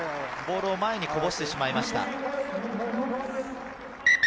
ボールを前にこぼしてしまいました。